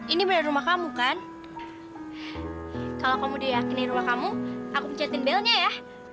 ini berumah kamu kan kalau kamu diakini rumah kamu aku catin belnya ya